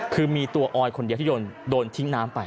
คือมีตัวออยคนเดียวที่โดนทิ้งน้ำไป